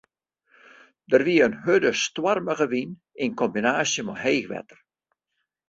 Der wie in hurde, stoarmige wyn yn kombinaasje mei heech wetter.